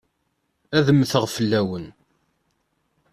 Ad mmteɣ fell-awen.